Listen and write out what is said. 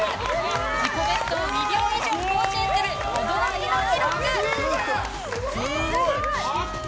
自己ベストを２秒以上更新する驚きの記録。